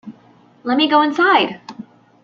Lemme go inside!